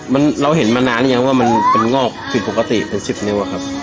มันเราเห็นมานานหรือยังว่ามันเป็นงอกผิดปกติเป็นสิบนิ้วอะครับ